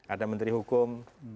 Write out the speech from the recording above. ada menteri hukum